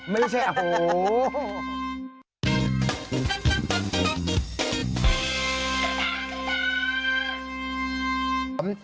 ไม่ใช่อ่ะโอ้โฮ